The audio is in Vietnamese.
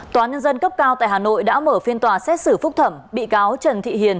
tòa nhân dân cấp cao tại hà nội đã mở phiên tòa xét xử phúc thẩm bị cáo trần thị hiền